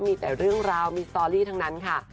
มีแต่เรื่องราวมีสตอรี่ทั้งนั้นค่ะ